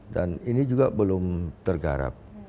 dan ini juga belum tergarap